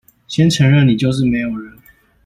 先承認你就是沒有人